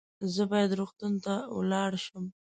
زه باید روغتون ته ولاړ شم